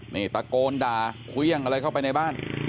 นี่ตะโกนด่าเครื่องอะไรเข้าไปในบ้าน